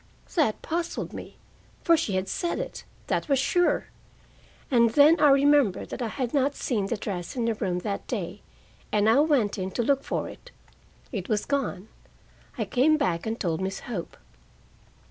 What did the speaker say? That puzzled me; for she had said it, that was sure. And then I remembered that I had not seen the dress in the room that day, and I went in to look for it. It was gone. I came back and told Miss Hope.